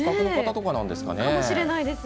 かもしれないです。